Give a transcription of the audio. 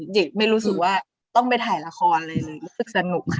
เด็กไม่รู้สึกว่าต้องไปถ่ายละครอะไรเลยรู้สึกสนุกค่ะ